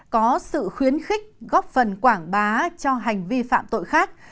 có sự khuyến khích góp phần quảng bá cho hành vi phạm tội khác